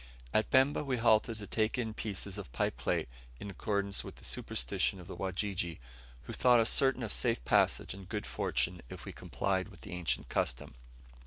At Bemba we halted to take in pieces of pipe clay, in accordance with the superstition of the Wajiji, who thought us certain of safe passage and good fortune if we complied with the ancient custom.